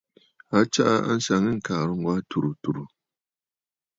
A tsaa àŋsaŋ yî ŋ̀kàŋ wà tùrə̀ tùrə̀.